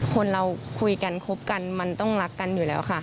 คนเราคุยกันคบกันมันต้องรักกันอยู่แล้วค่ะ